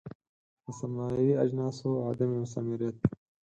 د سرمایوي اجناسو عدم مثمریت.